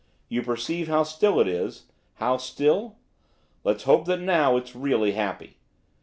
You perceive how still it is, how still! Let's hope that, now, it's really happy.